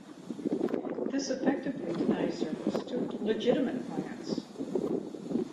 This effectively denies service to legitimate clients.